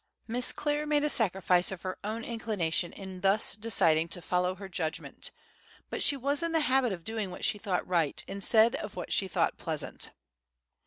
Miss Clare made a sacrifice of her own inclination in thus deciding to follow her judgment, but she was in the habit of doing what she thought right, instead of what she thought pleasant.